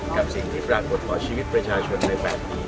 กับสิ่งที่ปรากฏต่อชีวิตประชาชนใน๘ปี